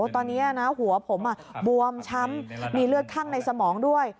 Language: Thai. ตอนนี้หัวผมบวมช้ำมีเลือดข้างในสมองด้วย